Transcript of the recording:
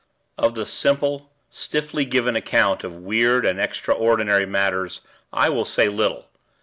Of the simple, stiffly given account of weird and extraordinary matters, I will say little.